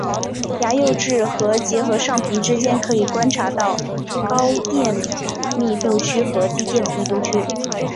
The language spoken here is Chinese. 牙釉质和结合上皮之间可以观察到高电子密度区和低电子密度区。